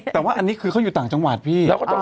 แต่ว่าอันนี้คือเขาอยู่ต่างจังหวัดพี่